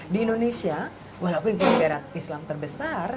di indonesia walaupun itu negara islam terbesar